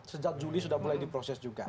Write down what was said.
sejak juli sudah mulai diproses juga